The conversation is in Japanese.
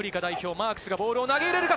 マークスがボールを投げれるか？